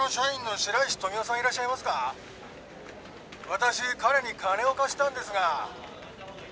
私彼に金を貸したんですが。